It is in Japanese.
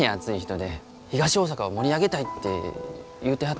東大阪を盛り上げたいって言うてはったんです。